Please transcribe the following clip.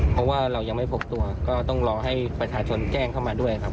เพราะว่าเรายังไม่พบตัวก็ต้องรอให้ประชาชนแจ้งเข้ามาด้วยครับ